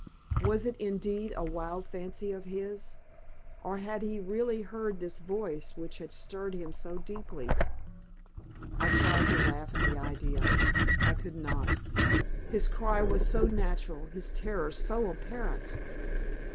Was it indeed a wild fancy of his, or had he really heard this voice which had stirred him so deeply? I tried to laugh at the idea. I could not. His cry was so natural, his terror so apparent!